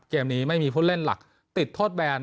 เกมนี้ไม่มีผู้เล่นหลักติดโทษแบน